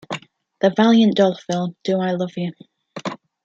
The Valiant Doll film Do I Love You?